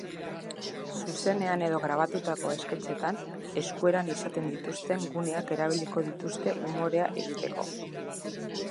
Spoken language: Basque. Zuzenean edo grabatutako esketxetan, eskueran izaten dituzten guneak erabiliko dituzte umorea egiteko.